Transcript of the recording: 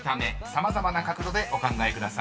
様々な角度でお考えください］